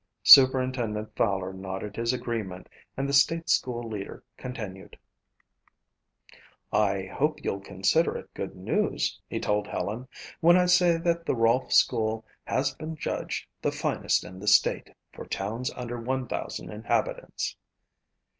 Superintendent Fowler nodded his agreement and the state school leader continued. "I hope you'll consider it good news," he told Helen, "when I say that the Rolfe school has been judged the finest in the state for towns under one thousand inhabitants."